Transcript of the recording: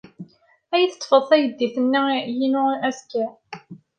Ad iyi-teṭṭfed taydit-inu azekka?